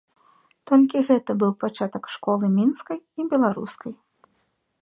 Толькі гэта быў пачатак школы мінскай і беларускай.